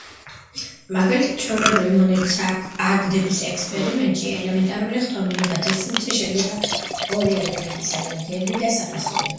მაგალითად, ჩვეულებრივი მონეტის აგდების ექსპერიმენტში ელემენტარულ ხდომილობათა სივრცე შედგება ორი ელემენტისგან: გერბი და საფასური.